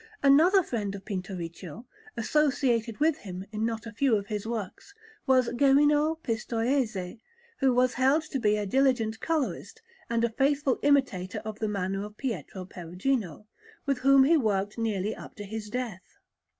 Another friend of Pinturicchio, associated with him in not a few of his works, was Gerino Pistoiese, who was held to be a diligent colourist and a faithful imitator of the manner of Pietro Perugino, with whom he worked nearly up to his death.